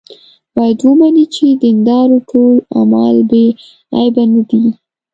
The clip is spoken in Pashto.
باید ومني چې د دیندارو ټول اعمال بې عیبه نه دي.